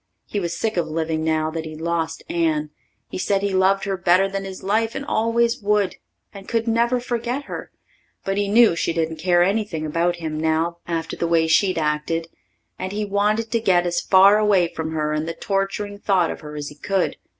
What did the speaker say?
He was sick of living now that he'd lost Anne. He said he loved her better than his life and always would, and could never forget her, but he knew she didn't care anything about him now after the way she'd acted, and he wanted to get as far away from her and the torturing thought of her as he could.